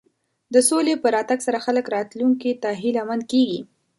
د سولې په راتګ سره خلک راتلونکي ته هیله مند کېږي.